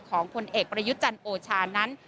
ของผลเอกประยุจรรโอชานั้น